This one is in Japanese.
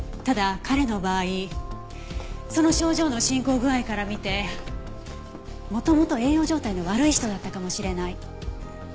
ただ彼の場合その症状の進行具合から見て元々栄養状態の悪い人だったかもしれない。